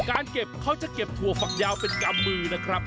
การเก็บเขาจะเก็บถั่วฝักยาวเป็นกำมือนะครับ